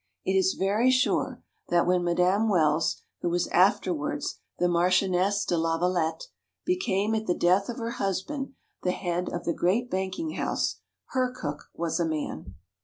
It is very sure that when Madame Welles, who was afterwards the Marchioness De Lavalette, became at the death of her husband the head of the great banking house, her cook was a man.